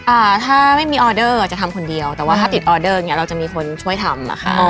อ่าถ้าไม่มีออเดอร์จะทำคนเดียวแต่ว่าถ้าติดออเดอร์อย่างเงี้เราจะมีคนช่วยทำอ่ะค่ะ